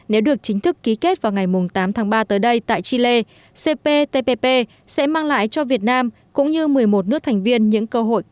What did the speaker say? nếu được chính thức ký kết vào ngày tám tháng ba tới đây tại chile cptpp sẽ mang lại cho việt nam cũng như một mươi một nước thành viên những cơ hội có